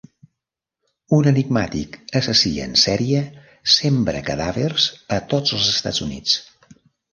Un enigmàtic assassí en sèrie sembra cadàvers a tots els Estats Units.